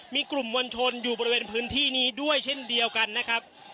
มีกลุ่มมวลชนอยู่บริเวณพื้นที่นี้ด้วยเช่นเดียวกันนะครับ